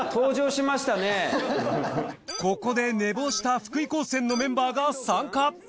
ここで寝坊した福井高専のメンバーが参加。